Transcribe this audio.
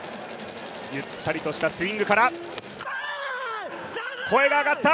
ゆったりとしたスイングから声が上がった。